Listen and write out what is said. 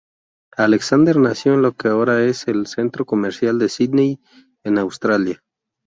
Alexander nació en lo que ahora es el centro comercial de Sídney en Australia.